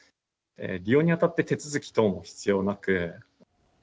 利用にあたって手続き等も必要なく。